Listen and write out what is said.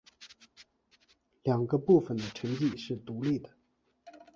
两个部分的成绩是独立的。